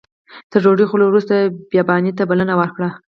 تر ډوډۍ خوړلو وروسته بیاباني ته بلنه ورکړه.